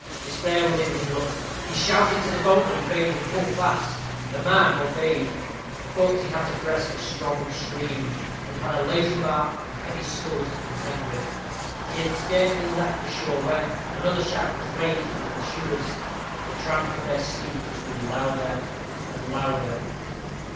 Despair was in his look. He shouted to the boatman, and bade him pull fast. The man obeyed; but he had to breast a strong stream, and had a lazy bark and heavy sculls to contend with. He had scarcely left the shore when, another shout was raised from the pursuers. The tramp of their steeds grew louder and louder.